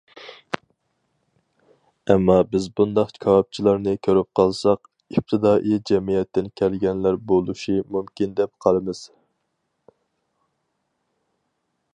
ئەمما بىز بۇنداق كاۋاپچىلارنى كۆرۈپ قالساق، ئىپتىدائىي جەمئىيەتتىن كەلگەنلەر بولۇشى مۇمكىن، دەپ قالىمىز.